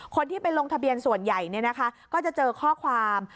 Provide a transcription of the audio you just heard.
คนที่ไปลงทะเบียนส่วนใหญ่ก็จะเจอข้อความ